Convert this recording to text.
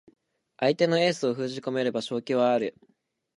相手のエースを封じ込めれば勝機はある